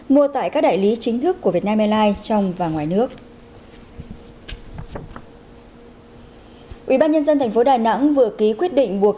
mua tại các đại lý chính thức của vietnam airlines trong và ngoài nước